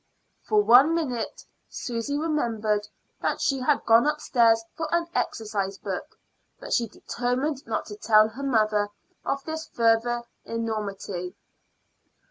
For one minute Susy remembered that she had gone upstairs for an exercise book, but she determined not to tell her mother of this further enormity.